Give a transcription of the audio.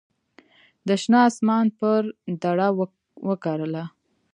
د شنه اسمان پر دړه وکرله